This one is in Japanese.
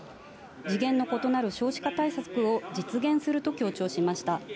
次元の異なる少子化対策を実現すると強調しました。